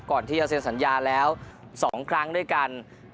ก่อนที่จะเซ็นสัญญาแล้ว๒ครั้งด้วยกัน